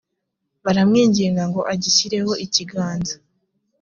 baramwinginga ngo agishyireho ikiganza